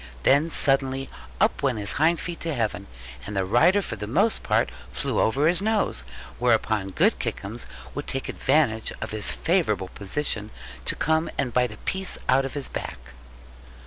Then suddenly up went his hind feet to heaven, and the rider for the most part flew over his nose; whereupon good Kickums would take advantage of his favourable position to come and bite a piece out of his back.